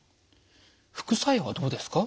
副作用はどうですか？